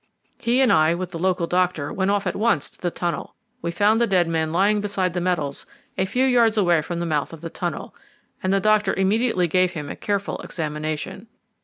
He and I, with the local doctor, went off at once to the tunnel. We found the dead man lying beside the metals a few yards away from the mouth of the tunnel, and the doctor immediately gave him a careful examination.